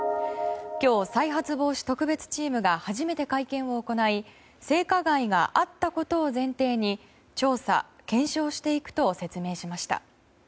今日、再発防止特別チームが初めて会見を行い性加害があったことを前提に調査・検証していくと説明しました。